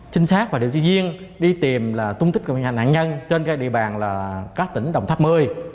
trinh sát và điều tra viên đi tìm là tung tích của nạn nhân trên các địa bàn là các tỉnh đồng tháp mơi